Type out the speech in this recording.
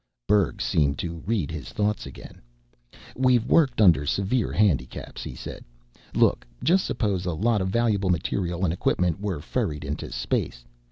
Berg seemed to read his thought again. "We've worked under severe handicaps," he said. "Look, just suppose a lot of valuable material and equipment were ferried into space.